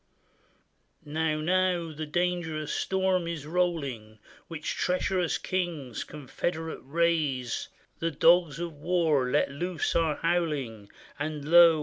Now, now the dangerous storm is rolling, Which treacherous kings confederate raise; The dogs of war, let loose, are howling. And lo!